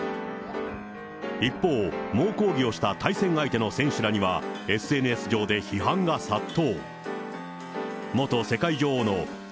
一方、猛抗議をした対戦相手の選手らには、ＳＮＳ上で批判が殺到。